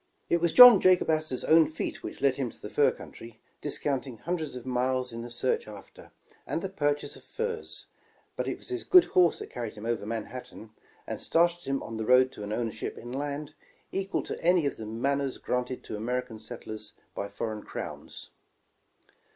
It was John Jacob Astor 's own feet which led him to the fur country, discounting hundreds of miles in the search after, and the purchase of furs; but it was his good horse that carried him over Manhattan, and started him on the road to an ownership in land, equal to any of the manors granted to American settlers by foreign CrowTis.